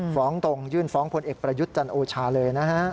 ฟ้องตรงยื่นฟ้องพลเอกประยุทธ์จันโอชาเลยนะฮะ